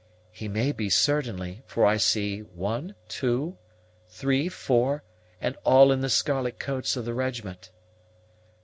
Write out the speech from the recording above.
"He may be certainly; for I see one, two, three, four, and all in the scarlet coats of the regiment."